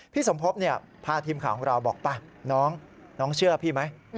สมภพพาทีมข่าวของเราบอกไปน้องเชื่อพี่ไหม